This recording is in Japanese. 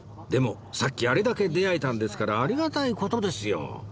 でもさっきあれだけ出会えたんですからありがたい事ですよ。